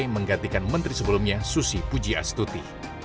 menggantikan menteri sebelumnya susi puji astuti